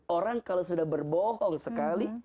orang kalau sudah berbohong sekali